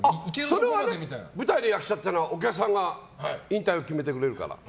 それは舞台の役者っていうのはお客さんが引退を決めてくれるから。